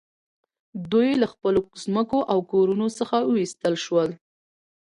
دوی له خپلو ځمکو او کورونو څخه وویستل شول